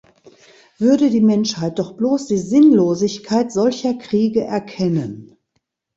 Würde die Menschheit doch bloß die Sinnlosigkeit solcher Kriege erkennen!